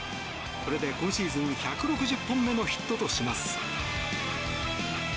これで今シーズン１６０本目のヒットとします。